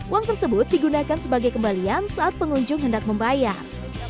uang tersebut digunakan sebagai kembalian saat pengunjung hendak membayar